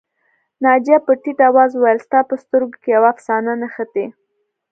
ناجیه په ټيټ آواز وویل ستا په سترګو کې یوه افسانه نغښتې